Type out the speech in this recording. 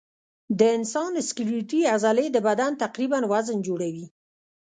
د انسان سکلیټي عضلې د بدن تقریباً وزن جوړوي.